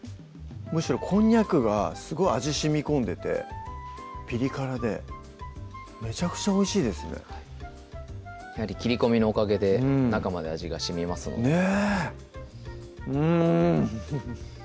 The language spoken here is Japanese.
むしろこんにゃくがすごい味しみこんでてピリ辛でめちゃくちゃおいしいですねやはり切り込みのおかげで中まで味が染みますのでねぇうん